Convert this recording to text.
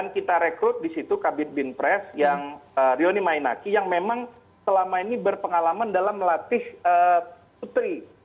kita rekrut di situ kabit bin pres yang rioni mainaki yang memang selama ini berpengalaman dalam melatih putri